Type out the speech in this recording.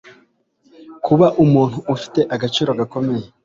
kuba umuntu ufite agaciro gakomeye